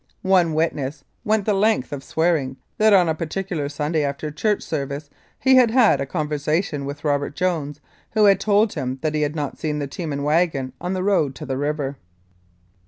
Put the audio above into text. One witness went the length of swearing that on a particular Sunday after church ser vice he had had a conversation with Robert Jones, who had told him that he had not seen the team and wagon on the road to the river.